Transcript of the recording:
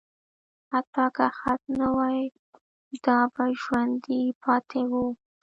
حتی که خط نه وای، دا به ژوندي پاتې وو.